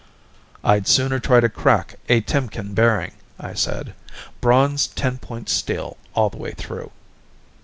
"I'd sooner try to crack a Timkin bearing," I said. "Braun's ten point steel all the way through."